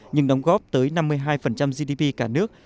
nhưng đóng góp tới năm mươi hai gdp cả nước